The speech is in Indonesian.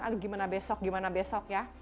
aduh gimana besok gimana besok ya